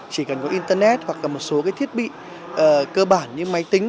chỉ cần có internet hoặc là một số thiết bị cơ bản như máy tính